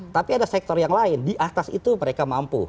tapi ada sektor yang lain di atas itu mereka mampu